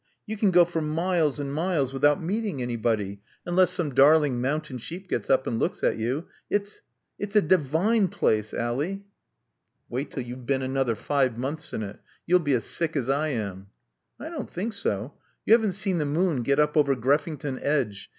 You can go for miles and miles without meeting anybody, unless some darling mountain sheep gets up and looks at you. It's it's a divine place, Ally." "Wait till you've been another five months in it. You'll be as sick as I am." "I don't think so. You haven't seen the moon get up over Greffington Edge.